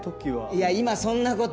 いや今そんな事。